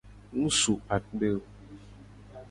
Mu su akpe o.